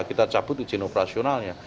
kita cabut izin operasionalnya